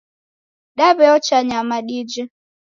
Daw'eocha nyama dije.